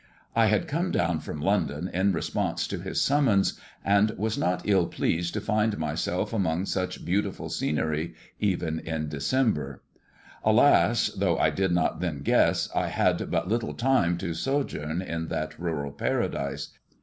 I had come down from London in response to his summons, and was not ill pleased to find myself among S THE JESUIT AND THE MEXICAN COIN 287 Bnch beautiful scenery, even in December. Alas 1 thoagh I did not then guess, I had but little time to Bojoum in that rut&I paradise.